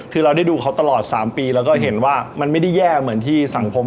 คือเราได้ดูเขาตลอด๓ปีแล้วก็เห็นว่ามันไม่ได้แย่เหมือนที่สังคม